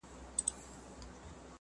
دا زموږ ټولو ژبه ده.